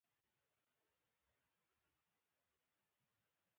باز له اسمانه پر ښکار راولويږي